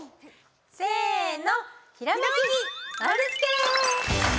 せの。